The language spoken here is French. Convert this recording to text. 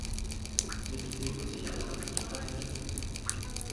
Mais c'était aussi un scientifique rationaliste.